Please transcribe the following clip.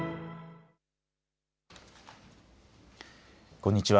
こんにちは。